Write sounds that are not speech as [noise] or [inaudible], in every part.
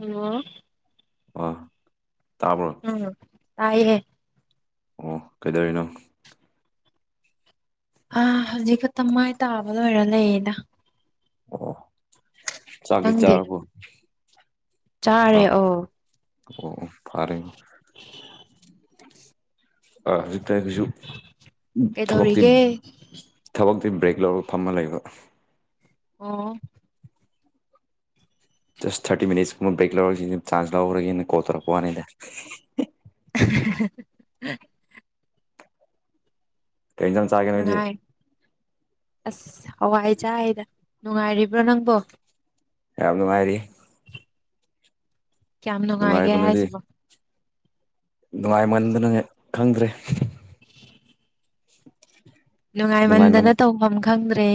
ꯑꯣ--꯫ ꯑ--꯫ ꯎꯝ ꯇꯥꯏꯦ--꯫ ꯑꯣ ꯀꯩꯗꯧꯔꯤꯅꯣ꯫ ꯑꯥ ꯍꯧꯖꯤꯛ ꯈꯛꯇ ꯃꯥꯏ ꯇꯥꯕ ꯂꯣꯏꯔ ꯂꯩꯌꯦꯗ꯫ ꯑꯣ ꯆꯥꯛꯇꯤ ꯅꯪꯗꯤ ꯆꯥꯔꯕꯣ ꯑ꯫ ꯑꯣ ꯐꯔꯦ--꯫ ꯑꯥ ꯍꯧꯖꯤꯛꯇ ꯇꯥꯏ ꯀꯩꯁꯨ ꯊꯕꯛꯇꯤ--꯫ ꯀꯩꯗꯧꯔꯤꯒꯦ ꯊꯕꯛꯇꯤ ꯕ꯭ꯔꯦꯛ ꯂꯧꯔꯒ ꯐꯝꯃ ꯂꯩꯕ꯫ ꯑꯣ--꯫ ꯖꯁ ꯊꯥꯔꯇꯤ ꯃꯤꯅꯤꯠꯁꯀꯨꯝꯕ ꯕ꯭ꯔꯦꯛ ꯂꯧꯔꯒꯁꯤ ꯆꯥꯟꯁ ꯂꯧꯔꯒꯦꯅ ꯀꯣꯟ ꯊꯣꯔꯛꯄ ꯋꯥꯅꯤꯗ꯫ [unintelligible] ꯫ ꯀꯩ ꯏꯟꯖꯥꯡ ꯆꯥꯒꯦ ꯅꯣꯏꯗꯤ ꯅꯨꯡꯉꯥꯏ ꯑꯁ ꯍꯋꯥꯏ ꯆꯥꯏꯗ ꯅꯨꯡꯉꯥꯏꯔꯤꯕ꯭ꯔꯣ ꯅꯪꯕꯣ꯫ ꯌꯥꯝ ꯅꯨꯡꯉꯥꯏꯔꯤ꯫ ꯀꯌꯥꯝ ꯅꯨꯡꯉꯥꯏꯒꯦ ꯅꯨꯡꯉꯥꯏꯕ ꯍꯥꯏꯁꯤꯕꯣ꯫ ꯅꯨꯡꯉꯥꯏꯃꯟꯗꯅ ꯈꯪꯗ꯭ꯔꯦ꯫ [inaudible] ꯫ ꯅꯨꯡꯉꯥꯏꯃꯟꯗꯅ ꯇꯧꯐꯝ ꯈꯪꯗ꯭ꯔꯦ꯫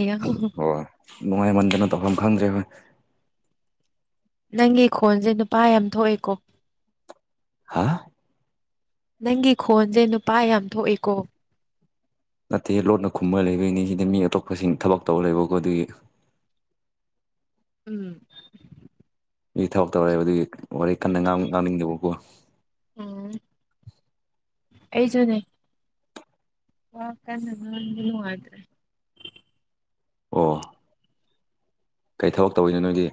ꯍꯣꯏ ꯅꯨꯡꯉꯥꯏꯃꯟꯗꯅ ꯇꯧꯐꯝ ꯈꯪꯗ꯭ꯔꯦ ꯍꯣꯏ꯫ ꯅꯪꯒꯤ ꯈꯣꯟꯁꯦ ꯅꯨꯄꯥ ꯌꯥꯝ ꯊꯣꯛꯑꯦꯀꯣ꯫ ꯍꯥ--꯫ ꯅꯪꯒꯤ ꯈꯣꯟꯁꯦ ꯅꯨꯄꯥ ꯌꯥꯝ ꯊꯣꯛꯏꯦꯀꯣ꯫ ꯅꯠꯇꯦ ꯂꯣꯟꯠꯅ ꯈꯨꯝꯕ ꯂꯩꯕꯣꯏꯅꯤ ꯁꯤꯗ ꯃꯤ ꯑꯇꯣꯞꯄꯁꯤꯡ ꯊꯕꯛ ꯇꯧꯕꯔ ꯂꯩꯕꯀꯣ ꯑꯗꯨꯒꯤ꯫ ꯎꯝ--꯫ ꯃꯤ ꯊꯕꯛ ꯇꯧꯔꯛꯦ ꯑꯗꯨꯒꯤ ꯋꯥꯔꯤ ꯀꯟꯅ ꯉꯥꯡꯅꯤꯡꯗꯕꯕꯨꯣ꯫ ꯎꯝ ꯑꯩꯁꯨ ꯅꯦ꯫ ꯋꯥ ꯀꯟꯅ ꯅꯗ꯭ꯔꯦ [inaudible] nungaitre--꯫ ꯑꯣ--꯫ ꯀꯩ ꯊꯕꯛ ꯇꯧꯤꯅꯣ ꯅꯣꯏꯒꯤ꯫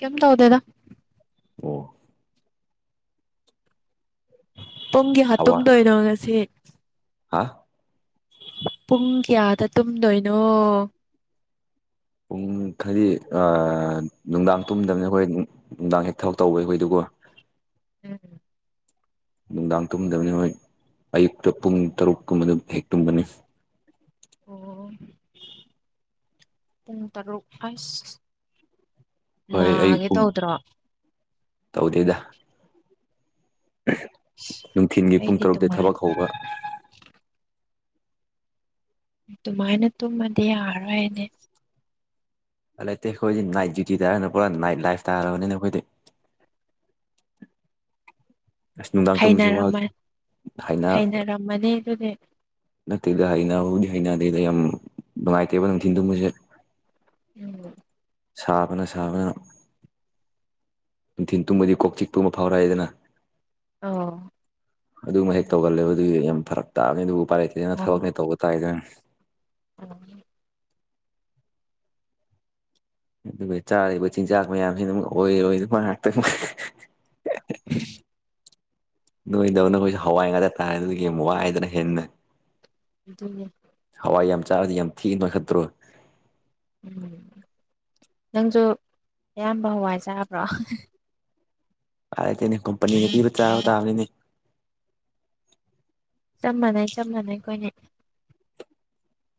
ꯀꯝꯇ ꯍꯗꯦꯗ꯫ ꯑꯣ--꯫ ꯄꯨꯡ ꯀꯌꯗ ꯑꯋꯥ ꯇꯨꯝꯗꯣꯏꯩꯅꯣ ꯉꯁꯤ꯫ ꯍꯥ--꯫ ꯄꯨꯡ ꯀꯌꯥꯗ ꯇꯨꯝꯗꯣꯏꯅꯣ ꯄꯨꯡ ꯊꯔꯤ ꯑꯥ ꯅꯨꯡꯗꯥꯡ ꯇꯨꯝꯗꯝꯅꯤ ꯑꯩꯈꯣꯏ ꯅꯨꯡꯗꯥꯡ ꯍꯦꯛ ꯊꯕꯛ ꯇꯧꯕꯩ ꯑꯩꯈꯣꯏꯗꯨꯒ‌ꯣ ꯎꯝ ꯅꯨꯡꯗꯥꯡ ꯇꯨꯝꯗꯕꯅꯤ ꯍꯣꯏ ꯑꯌꯨꯛꯇ ꯄꯨꯡ ꯇꯔꯨꯛꯀꯨꯝꯕꯗ ꯍꯦꯛ ꯇꯨꯝꯕꯅꯤ ꯑꯣ ꯄꯨꯡ ꯇꯔꯨꯛ ꯑꯩꯁ ꯍꯣꯏ ꯑꯌꯨꯛ ꯅꯥꯒꯦ ꯄꯨꯡ ꯇꯧꯗ꯭ꯔꯣ ꯇꯧꯗꯦꯗ ꯅꯨꯡꯊꯤꯟꯒꯤ ꯄꯨꯡ ꯑꯩꯗꯤ ꯇꯔꯨꯛꯇ ꯑꯗꯨꯃꯥꯏ ꯊꯕꯛ ꯍꯧꯕ ꯗꯨꯃꯥꯏꯅ ꯇꯨꯝꯃꯗꯤ ꯌꯥꯔꯔꯣꯏꯅꯦ ꯍꯟꯗꯛꯇꯤ ꯑꯩꯈꯣꯏꯗꯤ ꯅꯥꯏꯠ ꯗ꯭ꯌꯨꯇꯤ ꯇꯥꯔ ꯄꯨꯔꯥ ꯅꯥꯏꯠ ꯂꯥꯏꯐ ꯇꯥꯔꯕꯅꯤꯅ‌ꯦ ꯑꯩꯈꯣꯏꯗꯤ ꯑꯁ ꯅꯨꯡꯗꯥꯡ ꯇꯨꯝꯕꯁꯦ ꯋꯥ ꯍꯩꯅꯔꯝꯃ ꯍꯩꯅꯥ ꯍꯩꯅꯔꯝꯃꯅꯤ ꯑꯗꯨꯗꯤ ꯅꯠꯇꯦꯗ ꯍꯩꯅꯕꯨꯗꯤ ꯍꯩꯅꯗꯦꯗ ꯌꯥꯝ ꯅꯨꯡꯉꯥꯏꯇꯦꯕ ꯅꯨꯡꯊꯤꯟ ꯇꯨꯝꯕꯁꯦ [unintelligible] ꯁꯥꯕꯅ ꯁꯥꯕꯅ ꯅꯨꯡꯊꯤꯟ ꯇꯨꯝꯕꯗꯤ ꯀꯣꯛ ꯆꯤꯛꯄ ꯑꯃ ꯐꯥꯎꯔꯥꯏꯗꯅ ꯑꯣ ꯑꯗꯨꯃꯥ ꯍꯦꯛ ꯇꯧꯒꯜꯂꯦꯕ ꯑꯗꯨꯒꯤ ꯌꯥꯝ ꯐꯔꯛ ꯇꯥꯕꯅꯤ ꯑꯗꯨꯕꯨ ꯎꯄꯥꯏ ꯂꯩꯇ‌ꯦꯗꯅ ꯑꯣ ꯊꯕꯛꯅꯦ ꯇꯧꯕ ꯇꯥꯏꯗꯟ ꯑꯣ ꯑꯗꯨꯒ ꯆꯥꯔꯤꯕ ꯆꯤꯟꯖꯥꯛ ꯃꯌꯥꯝꯁꯤꯅ ꯃꯨꯛ ꯑꯣꯏꯔꯣꯏꯗꯕ ꯉꯥꯛꯇ [unintelligible] [unintelligible] ꯅꯣꯏꯗꯧꯅ ꯑꯈꯣꯏꯁꯨ ꯍꯋꯥꯏ ꯉꯥꯛꯇ ꯇꯥꯔꯦ ꯑꯗꯨꯒꯤꯃꯨ ꯋꯥꯏꯗꯅ ꯍꯦꯟꯅ ꯑꯗꯨꯅꯦ ꯍꯋꯥꯏ ꯌꯥꯝ ꯆꯥꯔꯗꯤ ꯌꯥꯝ ꯊꯤꯅ ꯅꯣꯏꯈꯠꯇ꯭ꯔꯣ ꯎꯝ ꯅꯪꯖꯨ ꯑꯌꯥꯝꯕ ꯍꯋꯥꯏ ꯆꯥꯕ꯭ꯔꯣ ꯍꯗꯛꯗꯤꯅ‌ꯦ ꯀꯝꯄꯅꯤꯅ ꯄꯤꯕ ꯆꯥꯕ ꯇꯥꯕꯅꯤꯅꯦ ꯆꯞ ꯃꯥꯟꯅꯩ ꯆꯞ ꯃꯥꯟꯅꯩ ꯑꯩꯈꯣꯏꯅꯤ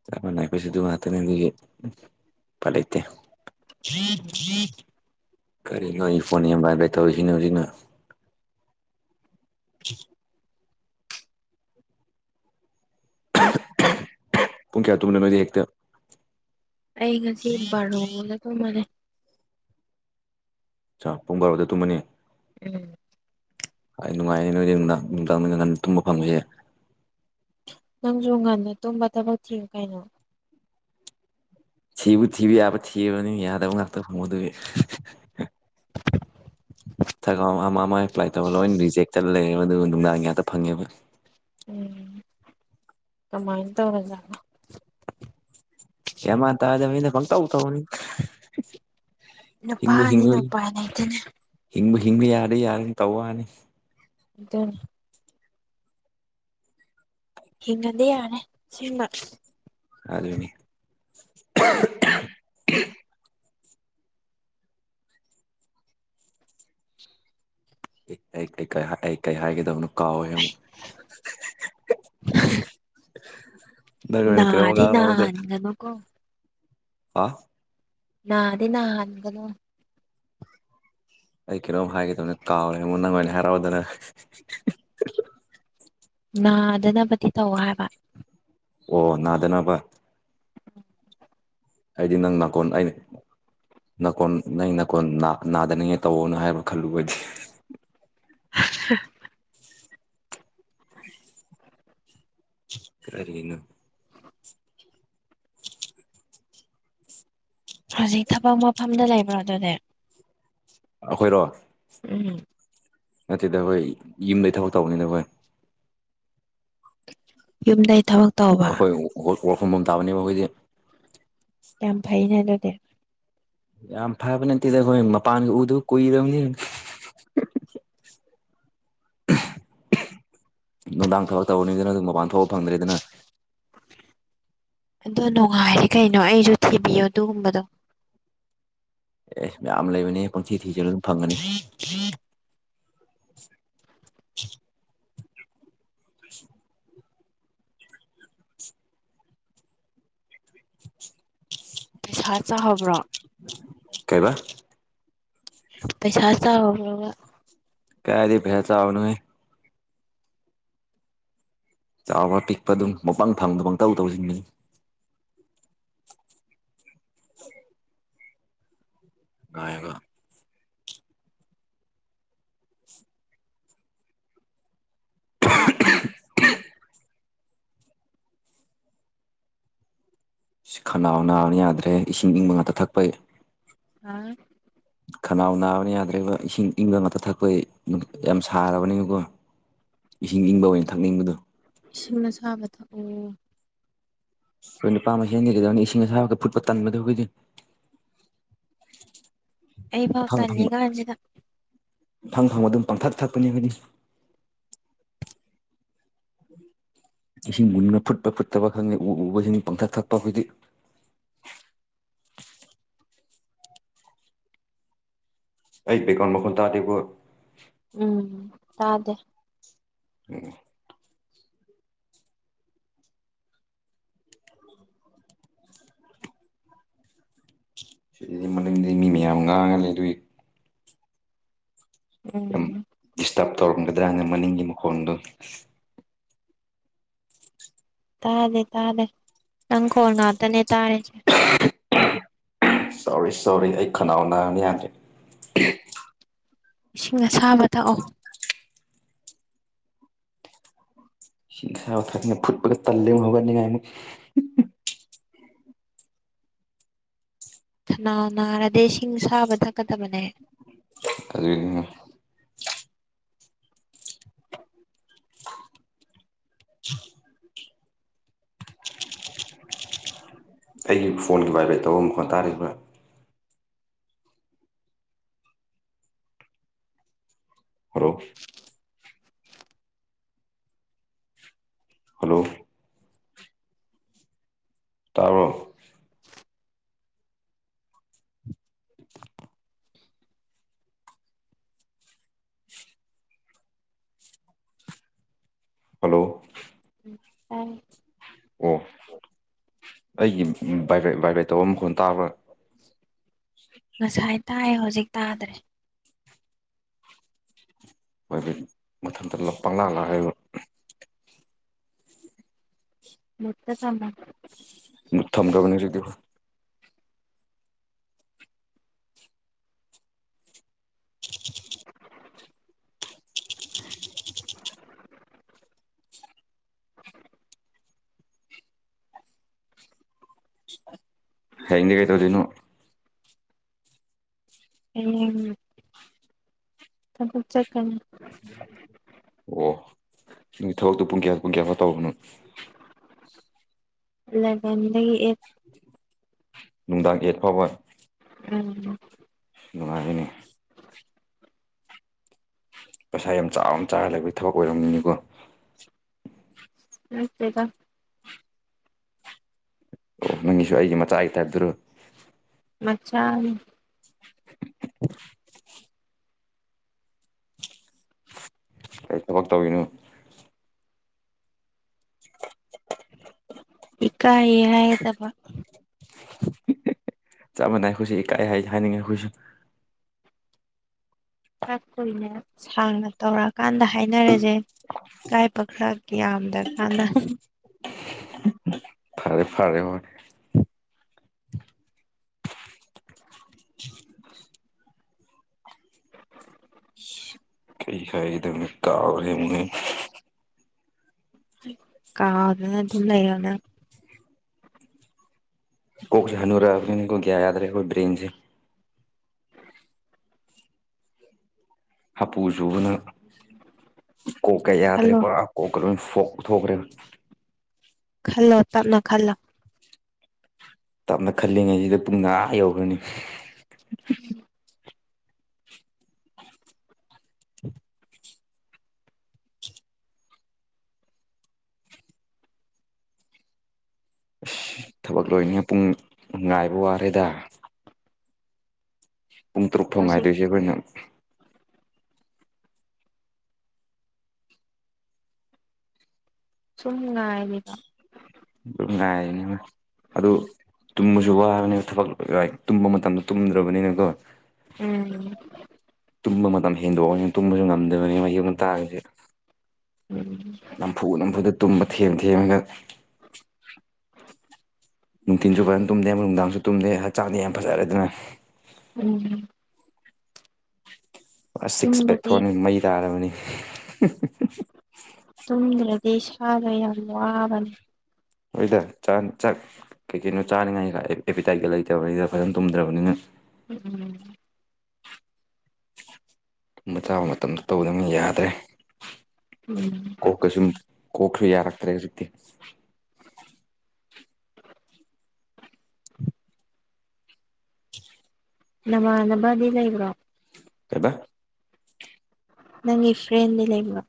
ꯆꯞ ꯃꯥꯟꯅꯩ ꯑꯩꯈꯣꯏꯁꯨ ꯑꯗꯨ ꯉꯥꯛꯇꯅꯦ ꯑꯗꯨꯒꯤ ꯎꯞ ꯎꯄꯥꯏ ꯂꯩꯇꯦ [unintelligible] ꯀꯔꯤꯅꯣ ꯑꯩ ꯐꯣꯟ ꯌꯥꯝ ꯕꯥꯏꯕ꯭ꯔꯦꯠ ꯇꯧꯔꯤꯖꯤꯅ ꯍꯨꯖꯤꯛꯅ [unintelligible] ꯄꯨꯡ ꯀꯌꯥ ꯇꯨꯝꯕꯅꯣ ꯅꯣꯏꯗꯤ ꯍꯦꯛꯇ ꯑꯩ ꯉꯁꯤ ꯕꯥꯔꯣꯗ ꯇꯨꯝꯃꯅꯤ ꯑꯆꯥ ꯄꯨꯡ ꯕꯥꯔꯣꯗ ꯇꯨꯝꯃꯅꯤ ꯎꯝ ꯑꯩ ꯅꯨꯡꯉꯥꯏꯅꯤ ꯅꯣꯏꯗꯤ ꯅꯨꯡꯗꯥꯡ ꯅꯨꯡꯗꯥꯡꯗꯒ ꯉꯟꯅ ꯇꯨꯝꯕ ꯐꯪꯕꯁꯦ ꯅꯪꯖꯨ ꯉꯟꯅ ꯇꯨꯝꯕ ꯊꯕꯛ ꯊꯤꯌꯨ ꯀꯩꯅꯣ ꯊꯤꯕꯨ ꯊꯤꯕ ꯌꯥꯕ ꯊꯤꯔꯕꯅꯤ ꯌꯥꯗꯕ ꯉꯥꯛꯇ ꯐꯪꯕ ꯑꯗꯨꯒꯤ ꯊꯕꯛ ꯑ ꯑꯃ ꯑꯃ ꯑꯦꯄ꯭ꯂꯥꯏ ꯇꯧꯕ ꯂꯣꯏꯅ ꯔꯤꯖꯦꯛ ꯆꯠꯂ‌ꯦꯕ ꯑꯗꯨ ꯅꯨꯡꯗꯥꯡꯒꯤ ꯉꯥꯛꯇ ꯐꯪꯉꯦꯕ ꯎꯝ ꯀꯃꯥꯏꯟ ꯇꯧꯔꯖꯥꯠꯅꯣ ꯒꯌꯥꯟ ꯃꯟ ꯇꯥꯗꯕꯤꯗ ꯄꯪꯇꯧ ꯇꯧꯕꯅꯤ ꯍꯤꯡꯕꯨ ꯍꯤꯡꯕ ꯅꯨꯄꯥꯅꯤꯅ ꯎꯄꯥꯏ ꯂꯩꯇꯦꯅꯦ ꯍꯤꯡꯕꯨ ꯍꯤꯡꯕ ꯌꯥꯔꯗꯤ ꯌꯥꯔꯅꯤ ꯇꯧꯕꯋꯥꯅꯤ ꯑꯗꯨꯟ ꯍꯤꯡꯉꯗꯤ ꯌꯥꯔꯦ ꯁꯤꯃ ꯑꯗꯨꯅꯤ ꯀ ꯀꯩ ꯀꯥꯏ ꯍꯥꯏ ꯑꯩ ꯀꯩ ꯍꯥꯏꯒꯗꯧꯅꯣ ꯀꯥꯎꯔꯦ ꯑꯃꯨꯛ ꯅꯪ ꯑꯣꯏꯅ ꯀꯩꯅꯣꯝꯃ ꯅꯥꯔꯗꯤ ꯉꯥꯡꯂꯛꯑꯣꯅꯦ ꯅꯥꯟꯒꯅꯨꯀꯣ ꯑꯥ ꯅꯥꯗꯤ ꯅꯥꯍꯟꯒꯅꯨ ꯑꯩ ꯀꯩꯅꯣꯝ ꯍꯥꯏꯒꯩ ꯇꯧꯕꯅꯤ ꯀꯥꯎꯔꯦꯉꯣ ꯅꯪ ꯑꯣꯏꯅ ꯍꯥꯏꯔꯛꯑꯣꯗꯅ ꯅꯥꯗꯅꯕꯗꯤ ꯇꯧ ꯍꯥꯏꯕ ꯑꯣ ꯅꯥꯗꯅꯥꯕ ꯑꯩꯗꯤ ꯅꯪ ꯅꯥꯀꯣꯟ ꯑꯩꯅꯤ ꯅꯀꯣꯟ ꯅꯪꯒꯤ ꯅꯀꯣꯟ ꯅꯥ ꯅꯥꯗꯅꯤꯡꯉꯦ ꯇꯧꯋꯣꯅ ꯍꯥꯏꯕ ꯈꯜꯂꯨꯕ ꯑꯩꯗꯤ [unintelligible] ꯀꯔꯤꯅꯣ ꯍꯧꯖꯤꯛ ꯊꯕꯛ ꯃꯐꯝꯗ ꯂꯩꯕ꯭ꯔꯣ ꯑꯗꯨꯗꯤ ꯑꯈꯣꯏꯔꯣ ꯎꯝ ꯅꯠꯇꯦꯗ ꯑꯩꯈꯣꯏ ꯌꯨꯝꯗꯩ ꯊꯕꯛ ꯇꯧꯕꯅꯤꯗ ꯑꯈꯣꯏ ꯌꯨꯝꯗꯩ ꯊꯕꯛ ꯇꯧꯕ ꯑꯩꯈꯣꯏ ꯋꯥꯔꯜ ꯋꯥꯔꯐꯝ ꯑꯝ ꯇꯥꯕꯅꯦꯕ ꯑꯩꯈꯣꯏꯗꯤ ꯌꯥꯝ ꯐꯩꯅ ꯑꯗꯨꯗꯤ ꯌꯥꯝ ꯐꯕ ꯅꯠꯇꯦꯗ ꯑꯈꯣꯏ ꯃꯄꯥꯟꯒ ꯎꯗꯕ ꯀꯨꯏꯔꯕꯅꯤꯅ ꯅꯨꯡꯗꯥꯡ ꯊꯕꯛ ꯇꯧꯕꯅꯤꯗꯅ ꯑꯗꯨꯝ ꯃꯄꯥꯟ ꯊꯣꯛꯑ ꯐꯪꯗ꯭ꯔꯦꯗꯅ ꯑꯗꯣ ꯅꯣꯡꯉꯥꯏꯔꯦ ꯀꯩꯅꯣ ꯑꯩꯖꯨ ꯊꯤꯕꯤꯌꯣ ꯑꯗꯨꯒꯨꯝꯕꯗꯣ ꯑꯦꯁ ꯃꯌꯥꯝ ꯂꯩꯕꯅꯦ ꯄꯪꯊꯤ ꯊꯤꯖꯜꯂꯨ ꯑꯗꯨꯝ ꯐꯪꯒꯅꯤ ꯄꯩꯁꯥ ꯆꯥꯍꯕ꯭ꯔꯣ ꯀꯥꯏꯕꯥ ꯄꯩꯁꯥ ꯆꯥꯎꯔꯕ꯭ꯔꯣꯕ ꯀꯔꯥꯏꯗꯩ ꯄꯩꯁꯥ ꯆꯥꯕꯅꯣꯍꯦ ꯆꯥꯎꯕ꯭ꯔꯥ ꯄꯤꯛꯄ ꯑꯗꯨꯝ ꯄꯪꯐꯪ ꯐꯪꯕꯗ ꯄꯪꯇꯧ ꯇꯧꯔꯤꯁꯤꯅꯤ ꯉꯥꯏꯕ ꯏꯁ ꯈꯅꯥꯎ ꯅꯥꯕꯅ ꯌꯥꯗ꯭ꯔꯦ ꯏꯁꯤꯡ ꯏꯪꯕ ꯉꯥꯛꯇ ꯊꯛꯄꯩ ꯑꯥ ꯈꯅꯥꯎ ꯅꯥꯕꯅ ꯌꯥꯗ꯭ꯔꯦꯕ ꯏꯁꯤꯡ ꯏꯪꯕ ꯉꯥꯛꯇ ꯊꯛꯄꯒꯤ ꯅꯨꯡ ꯌꯥꯝ ꯁꯥꯔꯕꯅꯤꯅꯀꯣ ꯏꯁꯤꯡ ꯏꯪꯕ ꯑꯣꯏꯅ ꯊꯛꯅꯤꯡꯕꯗꯣ ꯏꯁꯤꯡ ꯑꯁꯥꯕ ꯊꯛꯑꯣ ꯑꯈꯣꯏ ꯅꯨꯄꯥ ꯃꯥꯁꯦꯟꯗꯤ ꯀꯩꯗꯧꯅꯤ ꯏꯁꯤꯡ ꯑꯁꯥꯕꯗꯣ ꯐꯨꯠꯄ ꯇꯟꯕꯗꯣ ꯑꯈꯣꯏꯗꯤ ꯑꯩ ꯐꯥꯎ ꯇꯜꯂꯤ ꯀꯥꯟꯁꯤꯗ ꯄꯪꯐꯪ ꯐꯪꯕ ꯑꯗꯨꯝ ꯄꯥꯡꯊꯛ ꯊꯛꯄꯅꯤ ꯑꯈꯣꯏꯗꯤ ꯏꯁꯤꯡ ꯃꯨꯟꯕ ꯐꯨꯠꯄ ꯐꯨꯠꯇꯕ ꯈꯪꯗꯦ ꯎ ꯎꯕꯁꯤꯡ ꯄꯪꯊꯛ ꯊꯛꯄ ꯑꯈꯣꯏꯗꯤ ꯑꯩ ꯕꯦꯛꯒ꯭ꯔꯥꯎꯟ ꯃꯈꯣꯟ ꯇꯥꯗꯦꯀꯣ ꯎꯝ ꯇꯥꯗꯦ [unintelligible] ꯁꯤꯗꯗꯤ ꯃꯅꯤꯡꯗꯩ ꯃꯤ ꯃꯌꯥꯝ ꯉꯥꯡꯉ ꯂꯩꯗꯣꯏ ꯌꯥꯝ ꯎꯝ ꯗꯤꯁꯇ꯭ꯔꯕ ꯇꯧꯔꯝꯒꯗ꯭ꯔꯅ ꯃꯅꯤꯡꯒꯤ ꯃꯈꯣꯟꯗꯣ ꯇꯥꯔꯦ ꯇꯥꯔꯦ ꯅꯪ ꯈꯣꯟ ꯉꯥꯛꯇꯅꯦ ꯇꯥꯔꯤꯁꯦ ꯁꯣꯔꯤ ꯁꯣꯔꯤ ꯑꯩ ꯈꯅꯥꯎ‌ ꯅꯥꯝ ꯌꯥꯗ꯭ꯔꯦ ꯏꯁꯤꯡ ꯑꯁꯥꯕ ꯊꯛꯑꯣ ꯁꯤꯡ ꯑꯁꯥꯕꯥ ꯊꯥꯅꯤꯉꯥ ꯐꯨꯠꯄꯒ ꯇꯜꯂꯦ ꯍꯧꯒꯠꯅꯤꯡꯉꯥꯏ ꯑꯃꯨꯛ ꯈꯅꯥꯎ ꯅꯥꯔꯗꯤ ꯏꯁꯤꯡ ꯁꯥꯕ ꯊꯛꯀꯗꯕꯅꯦ [unintelligible] [inaudible] ꯑꯩꯒꯤ ꯐꯣꯟꯒꯤ ꯕꯥꯏꯕ꯭ꯔꯦꯠ ꯇꯧꯕ ꯃꯈꯣꯠ ꯇꯥꯔꯤꯕ ꯍꯥꯂꯣ ꯍꯜꯂꯣ ꯇꯥꯕ꯭ꯔꯣ ꯍꯜꯂꯣ ꯇꯥꯏ ꯑꯣ ꯑꯩꯒꯤ ꯕꯥꯏꯕ꯭ꯔꯦꯠ ꯕꯥꯏꯕ꯭ꯔꯦꯠ ꯇꯧꯕ ꯃꯈꯣꯟ ꯇꯥꯕ꯭ꯔꯥ ꯉꯁꯥꯏ ꯇꯥꯏ ꯍꯧꯖꯤꯛ ꯇꯥꯗ꯭ꯔꯦ [unintelligible] ꯄꯪꯂꯥꯡ ꯂꯥꯡ [unintelligible] ꯃꯨꯠꯇ ꯊꯃꯥꯝꯕ ꯊꯝꯒꯕꯅꯤ ꯍꯧꯖꯤꯛꯇꯤ ꯍꯌꯦꯡꯗꯤ ꯀꯩ ꯇꯧꯗꯣꯏꯅꯣ ꯍꯌꯦꯡ ꯊꯕꯛ ꯆꯠꯀꯅꯤ ꯅꯣꯏ ꯊꯕꯛꯇꯨ ꯄꯨꯡ ꯀꯌꯥ ꯄꯨꯡ ꯀꯌꯥꯐꯧ ꯇꯧꯕꯅꯣ ꯑꯂꯦꯕꯦꯟꯗꯒꯤ ꯑꯦꯠ ꯅꯨꯡꯗꯥꯡꯒꯤ ꯑꯦꯠ ꯐꯥꯎꯕ ꯎꯝ ꯅꯨꯡꯉꯥꯏꯔꯦꯅꯦ ꯄꯩꯁꯥ ꯌꯥꯝ ꯆꯥꯎꯅ ꯆꯥꯔꯒ ꯂꯩꯕꯒꯤ ꯊꯕꯛ ꯑꯣꯏꯔꯝꯅꯤꯀꯣ ꯅꯠꯇꯦꯗ ꯑꯣ ꯅꯪꯒꯤꯁꯨ ꯑꯩꯒꯤ ꯃꯆꯥꯒꯤ ꯇꯥꯏꯞꯇꯔꯣ ꯃꯆꯥꯅꯤ ꯀꯔꯤ ꯊꯕꯛ ꯇꯧ [unintelligible] ꯏꯀꯥꯏꯌꯦ ꯍꯥꯏꯒꯗꯕ ꯆꯞ ꯃꯥꯅꯩ ꯑꯩꯈꯣꯏꯁꯨ ꯏꯀꯥꯏ ꯍꯥꯏ ꯍꯥꯏꯅꯤꯡꯉꯦ ꯑꯩꯈꯣꯏꯁꯨ ꯈꯔꯥ ꯀꯨꯏꯅ ꯁꯥꯡꯅ ꯇꯧꯔꯛꯑꯀꯥꯟꯗ ꯍꯥꯏꯅꯔꯁꯦ ꯏꯀꯥꯏꯕ ꯈꯔ ꯌꯥꯝ ꯗꯔꯀꯥꯟꯅ ꯐꯔꯦ ꯍꯣꯏ ꯀꯩ ꯍꯥꯏꯒꯗꯕꯅꯣ ꯀꯥꯎꯒꯔꯦ [unintelligible] ꯀꯥꯎꯗꯅ ꯑꯗꯨꯝ ꯂꯩꯌꯣꯅꯪ ꯀꯣꯛꯁꯤ ꯍꯥꯅꯨꯔꯛꯑꯕꯅꯤꯅꯥꯀꯣ ꯒꯤꯌꯥ ꯌꯥꯗꯔꯦꯀꯣ ꯕꯦꯟꯁꯤ ꯍꯥꯄꯨ ꯆꯨꯕꯅ ꯀꯣꯛꯀ ꯌꯥꯗ꯭ꯔꯦ ꯈꯜꯂꯣ ꯄꯨꯔꯥ ꯀꯣꯛꯀ ꯂꯣꯏ ꯐꯣꯛ ꯊꯣꯛꯈ꯭ꯔꯦꯟ ꯈꯜꯂꯣ ꯇꯞꯅ ꯈꯜꯂꯣ ꯇꯞꯅ ꯈꯜꯂꯤꯉꯩꯁꯤꯗ ꯄꯨꯡ ꯑꯥ ꯌꯧꯔꯅꯤ [inaudible] ꯊꯕꯛ ꯂꯣꯏꯅꯤꯉꯩ ꯄꯨꯡ ꯉꯥꯏꯕ ꯋꯥꯔꯦꯗ ꯄꯨꯡ ꯇꯔꯨꯛꯐꯧ ꯍꯧꯖꯤꯛ ꯉꯥꯏꯗꯣꯏꯁꯦ ꯑꯩꯈꯣꯏꯅ ꯁꯨꯝ ꯉꯥꯏꯔꯤꯕꯥ ꯁꯨꯝ ꯉꯥꯏꯔꯤꯅꯤꯕ ꯑꯗꯨ ꯇꯨꯝꯃꯁꯨ ꯋꯥꯕꯅꯤ ꯊꯕꯛ ꯀꯩꯀ ꯇꯨꯝꯕ ꯃꯇꯝꯗ ꯇꯨꯝꯗ꯭ꯔꯕꯅꯤꯅꯀꯣ ꯎꯝ ꯇꯨꯝꯕ ꯃꯇꯝ ꯍꯦꯟꯗꯣꯛꯑꯝꯅꯤꯅ ꯇꯨꯝꯕꯁꯨ ꯉꯝꯗꯕꯅꯤꯅ ꯃ ꯌꯨꯝ ꯇꯥꯔꯁꯦ ꯎꯝ ꯅꯝꯐꯨ ꯅꯝꯐꯨꯗ ꯇꯨꯝꯕ ꯊꯦꯝ ꯊꯦꯝꯃꯒ ꯅꯨꯡꯊꯤꯟꯁꯨ ꯐꯖꯅ ꯇꯨꯝꯗꯦ ꯅꯨꯡꯗꯥꯡꯁꯨ ꯇꯨꯝꯗꯦ ꯍꯛꯆꯥꯡꯗꯤ ꯌꯥꯝ ꯐꯖꯔꯦ ꯑꯗꯨꯅ ꯎꯝ ꯁꯤꯛꯁ ꯇꯨꯝꯗꯗꯤ ꯄꯦꯛꯊꯣꯛꯑꯅꯤ ꯃꯩ ꯇꯥꯔꯕꯅꯤ ꯇꯨꯝꯗ꯭ꯔꯥꯗꯤ ꯏꯁꯗꯣ ꯌꯥꯝ ꯋꯥꯕꯅꯦ ꯍꯣꯏꯗ ꯆ ꯆꯥꯛ ꯀꯩꯀꯩꯅꯣ ꯆꯥꯅꯤꯡꯉꯥꯏ ꯑꯦꯄꯤꯇꯥꯏꯒ ꯂꯩꯇꯕꯅꯤꯅ ꯐꯖꯅ ꯇꯨꯝꯗ꯭ꯔꯕꯅꯤꯅ ꯎꯝ ꯎꯝ ꯊꯨꯝꯕ ꯆꯥꯕ ꯃꯇꯝꯗ ꯇꯧꯗꯕꯅꯤꯅ ꯌꯥꯗ꯭ꯔꯦ ꯎꯝ ꯀꯩꯁꯨꯝ ꯀꯣꯛꯁꯦ ꯌꯥꯔꯛꯇ꯭ꯔꯦ ꯍꯧꯖꯤꯛꯇꯤ ꯅꯃꯥꯟꯅꯕꯗꯤ ꯂꯩꯕ꯭ꯔꯣ ꯀꯩꯕꯥ ꯅꯪꯒꯤ ꯐ꯭ꯔꯦꯟ ꯗꯤ ꯂꯩꯕꯔꯣ꯫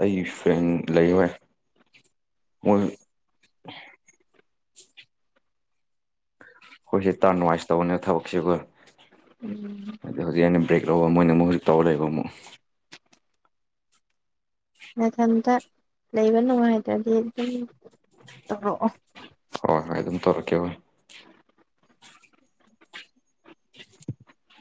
ꯑꯩꯒꯤ ꯐ꯭ꯔꯦꯟ ꯂꯩ ꯍꯣꯢ ꯃꯣꯏ꯫ ꯑꯩꯈꯣꯏꯁꯦ ꯇꯔꯥꯟ ꯋꯥꯢ ꯇꯧꯕꯅꯦ ꯊꯕꯛꯁꯤꯕꯣ ꯎꯝ꯫ ꯑꯗ ꯍꯧꯖꯤꯛ ꯑꯩꯅ ꯕꯔꯦꯛ ꯂꯧꯕ ꯃꯣꯏꯅ ꯑꯃꯨꯛ ꯇꯔꯥꯟ ꯂꯩꯕ ꯑꯃꯨꯛ꯫ ꯃꯊꯟꯇ ꯂꯩꯕ ꯅꯨꯡꯉꯥꯏꯇ꯭ꯔꯗꯤ ꯑꯗꯨꯝ ꯇꯧꯔꯛꯑꯣ꯫ ꯍꯣꯏ ꯍꯣꯏ ꯑꯗꯨꯝ ꯇꯧꯔꯛꯀꯦ ꯍꯣꯏ꯫ [inaudible]